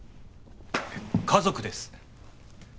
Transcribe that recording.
家族です